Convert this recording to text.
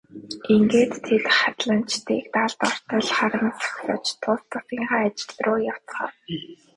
Ингээд тэд хадланчдыг далд ортол харан зогсож тус тусынхаа ажил руу явцгаав.